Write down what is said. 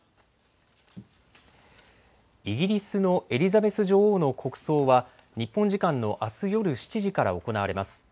イギリスのエリザベス女王の国葬は日本時間のあす夜７時から行われます。